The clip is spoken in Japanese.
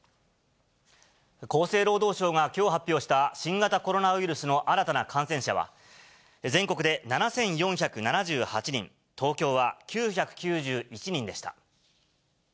厚生労働省がきょう発表した、新型コロナウイルスの新たな感染者は、全国で７４７８人、東京は９９１人でした。